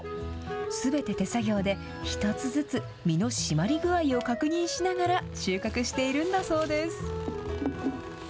すべて手作業で、１つずつ実の締まり具合を確認しながら収穫しているんだそうです。